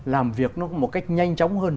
làm việc nó một cách nhanh chóng hơn